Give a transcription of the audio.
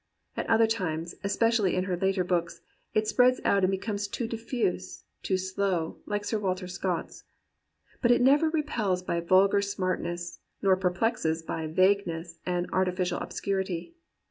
At other times, especially in her later books, it spreads out and becomes too diffuse, too slow, like Sir Walter Scott *s. But it never repels by vulgar smartness, nor perplexes by vagueness and ar tificial obscurity.